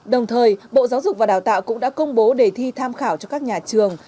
đồng thời bộ giáo dục và đào tạo cũng đã công bố đề thi tham khảo cho các nhà trường